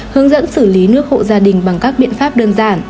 hướng dẫn xử lý nước hộ gia đình bằng các biện pháp đơn giản